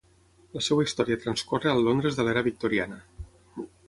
La seua història transcorre al Londres de l'era victoriana.